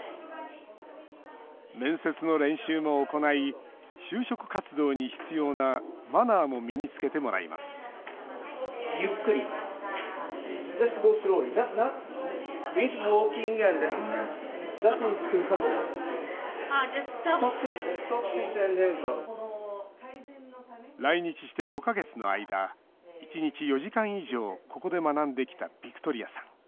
面接の練習も行い就職活動に必要なマナーも身につけてもらいます来日して５か月の間１日４時間以上ここで学んできたビクトリアさん。